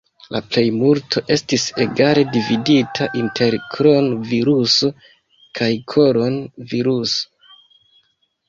La plejmulto estis egale dividita inter kron-viruso kaj koron-viruso.